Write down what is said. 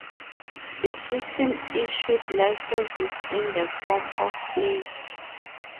The system issued licenses in the forms of plates.